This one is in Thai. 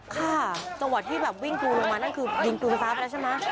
ค่ะตะวัดที่แบบวิ่งกูลงมานั่นคือวิ่งปืนไฟฟ้าไปแล้วใช่ไหม